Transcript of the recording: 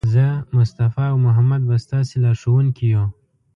زه، مصطفی او محمد به ستاسې لارښوونکي یو.